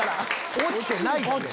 オチてないって。